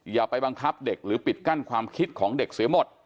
อย่าไปบังคับเด็กหรือปิดกั้นความคิดของเด็กเสียหมด